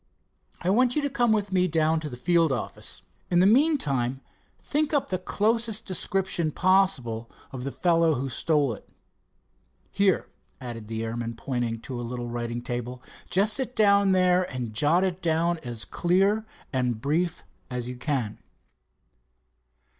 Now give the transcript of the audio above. I want you to come with me down to the field office. In the meantime think up the closest description possible of the fellow who stole it. Here," added the airman pointing to a little writing table. "Just sit down there and jot it down as clear and brief as you can."